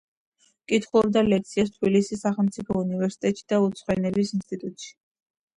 კითხულობდა ლექციებს თბილისის სახელმწიფო უნივერსიტეტში და უცხო ენების ინსტიტუტში.